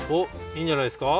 いいんじゃないですか！